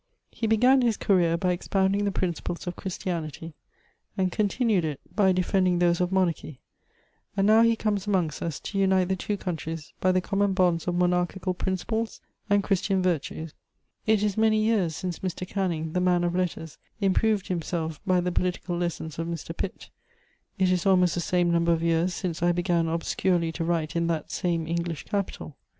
He began his career by expounding the principles of Christianity, and continued it by defending those of monarchy; and now he comes amongst us to unite the two countries by the common bonds of monarchical principles and Christian virtues." * [Sidenote: The literary fund.] It is many years since Mr. Canning, the man of letters, improved himself by the political lessons of Mr. Pitt; it is almost the same number of years since I began obscurely to write in that same English capital.